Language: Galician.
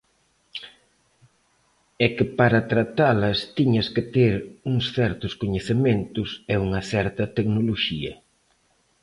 E que para tratalas tiñas que ter uns certos coñecementos e unha certa tecnoloxía.